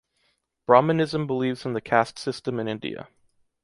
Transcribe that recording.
Brahmanism believes in the caste system in India.